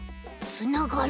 つながる。